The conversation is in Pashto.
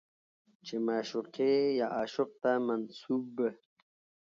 چې معشوقې يا عاشق ته منسوب